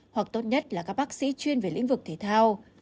hoặc tốt nhất là các bác sĩ chuyên về lĩnh vực thể thao